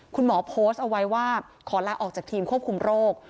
คุณหมอโพสต์เอาไว้ว่าขอลาออกจากทีมควบคุมโรค